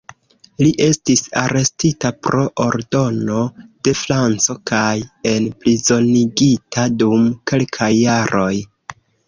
Li estis arestita pro ordono de Franco kaj enprizonigita dum kelkaj jaroj.